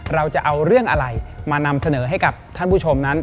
เราจะเอาเรื่องอะไรมานำเสนอให้กับท่านผู้ชมนั้น